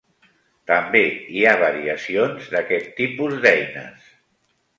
També hi ha variacions d'aquests tipus d'eines.